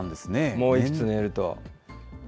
もういくつ寝ると。